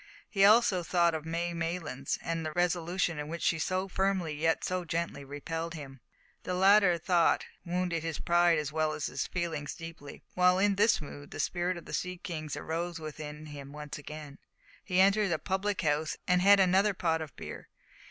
He also thought of May Maylands, and the resolution with which she so firmly yet so gently repelled him. The latter thought wounded his pride as well as his feelings deeply. While in this mood the spirit of the sea kings arose within him once again. He entered a public house and had another pot of beer.